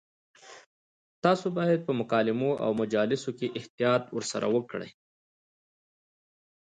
تاسو باید په مکالمو او مجالسو کې احتیاط ورسره وکړئ.